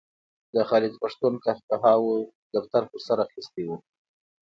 د خالد پښتون قهقهاوو دفتر په سر اخیستی و.